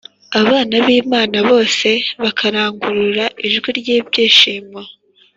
abana b’imana bose bakarangurura ijwi ry’ibyishimo